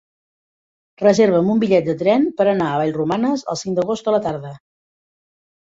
Reserva'm un bitllet de tren per anar a Vallromanes el cinc d'agost a la tarda.